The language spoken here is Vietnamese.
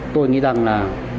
tôi nghĩ rằng là